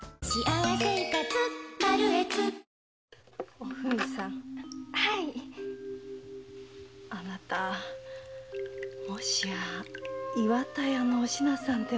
おふみさんあなたもしや岩田屋のお品さんでは？